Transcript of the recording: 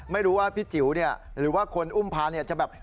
ไม่รู้ว่าพี่จิ๋วหรือว่าคนอุ้มพาจะแบบ